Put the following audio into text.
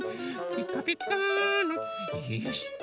ピカピカーのよし！